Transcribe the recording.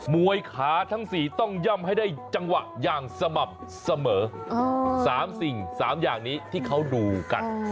วยขาทั้ง๔ต้องย่ำให้ได้จังหวะอย่างสม่ำเสมอ๓สิ่ง๓อย่างนี้ที่เขาดูกัน